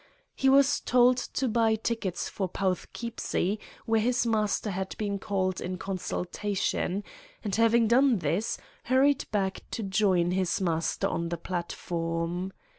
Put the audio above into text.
He was told to buy tickets for Poughkeepsie where his master had been called in consultation, and having done this, hurried back to join his master on the platform.